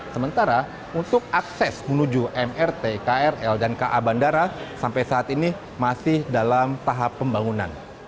sementara untuk akses menuju mrt krl dan ka bandara sampai saat ini masih dalam tahap pembangunan